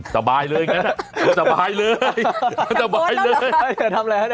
สบายเลยสบายเลยสบายเลย